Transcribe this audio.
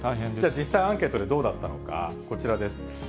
実際、アンケートでどうだったのか、こちらです。